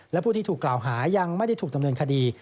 และผู้ที่ถูกกล่าวหายังไม่ได้ถูกดำเนินคดี